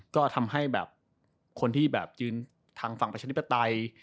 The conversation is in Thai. ก็ทำให้แบบคนที่แบบยืนทางฝั่งประชาธิปไตย